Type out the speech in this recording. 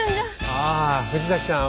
あぁ藤崎さん